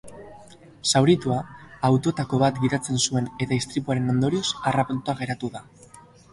Zauritua, autoetako bat gidatzen zuen eta istripuaren ondorioz harrapatuta geratu da.